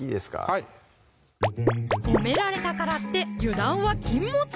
はい褒められたからって油断は禁物！